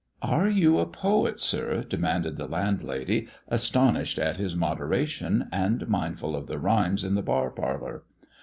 " Are you a poet, sir ]" demanded the landlady, astonished at this moderation, and mindful of the rhymes in the bar parlour.